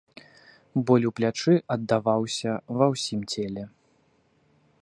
Боль у плячы аддаваўся ва ўсім целе.